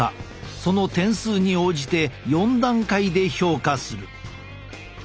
その点数に応じて４段階で評価する。